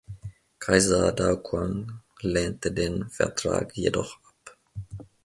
Kaiser Daoguang lehnte den Vertrag jedoch ab.